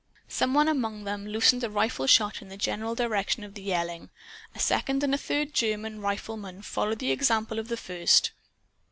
Some one among them loosed a rifle shot in the general direction of the yelling. A second and a third German rifleman followed the example of the first.